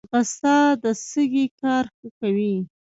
ځغاسته د سږي کار ښه کوي